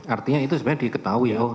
artinya itu sebenarnya diketahui